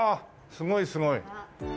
すごいすごい。